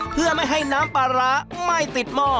เพื่อไม่ให้น้ำปลาร้าไม่ติดหม้อ